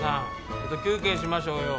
ちょっと休憩しましょうよ。